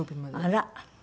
あら！